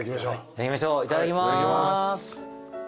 いただきましょういただきます。